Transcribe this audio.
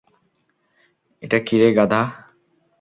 এটা কি রে গাধা?